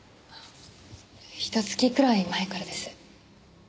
ひと月くらい前からです。